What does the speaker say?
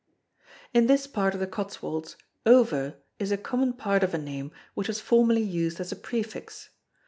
In this part of the Cotswolds "Over" is a common part of a name which was formerly used as a prefix.